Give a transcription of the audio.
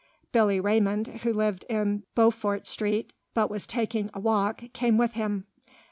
Billy Raymond, who lived in Beaufort Street, but was taking a walk, came with him.